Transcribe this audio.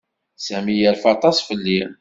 Sami yerfa aṭas fell-i.